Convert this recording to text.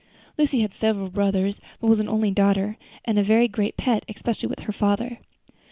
Lucy had several brothers, but was an only daughter, and a very great pet, especially with her father.